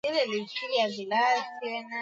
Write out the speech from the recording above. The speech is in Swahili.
kikubwa kwa Waturuki wa Meskhetian kutoka maeneo